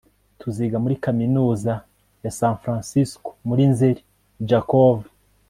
tuziga muri kaminuza ya san francisco muri nzeri. (jakov